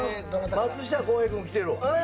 松下洸平君来てるわ。